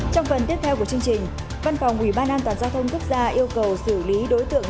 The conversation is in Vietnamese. trong phần tiếp theo của chương trình văn phòng ubnd quốc gia yêu cầu xử lý đối tượng